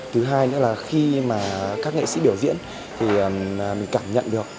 thứ hai nữa là khi mà các nghệ sĩ biểu diễn thì mình cảm nhận được